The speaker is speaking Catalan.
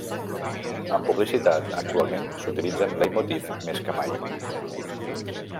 En publicitat, actualment s'utilitzen leitmotiv més que mai.